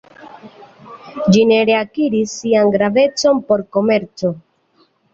Ĝi ne reakiris sian gravecon por komerco.